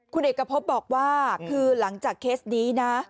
คุณเอกพบบอกว่าคือหลังจากเคสนี้นะ